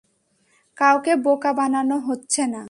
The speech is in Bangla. কাউকে বোকা বানানো হচ্ছে না।